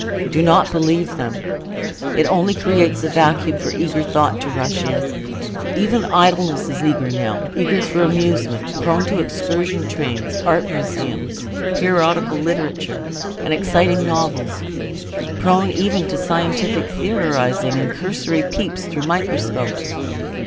Do not believe them: it only creates a vacuum for eager thought to rush in. Even idleness is eager now—eager for amusement; prone to excursion trains, art museums, periodical literature, and exciting novels; prone even to scientific theorizing and cursory peeps through microscopes.